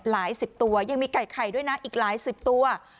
๑๐ตัวยังมีไก่ไข่ด้วยนะอีกหลายสิบตัว